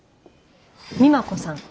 美摩子さん。